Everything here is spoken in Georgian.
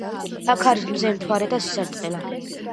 აქ არის მზე მთვარე და ცისარტყელა